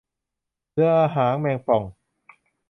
เรือหางแมงป่อง